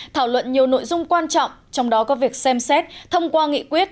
thảo luận nhiều nội dung quan trọng trong đó có việc xem xét thông qua nghị quyết